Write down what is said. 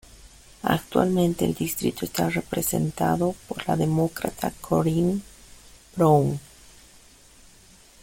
Actualmente el distrito está representado por la Demócrata Corrine Brown.